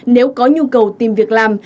nếu có nhu cầu tìm việc làm